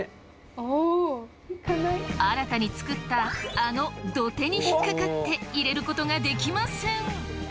新たに作ったあの土手に引っかかって入れることができません！